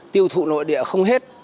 tiêu thụ nội địa không hết